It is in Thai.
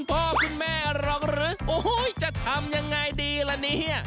พ่อคุณแม่หรอกหรือโอ้โหจะทำยังไงดีล่ะเนี่ย